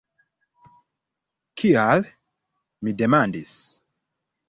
Kial? mi demandis.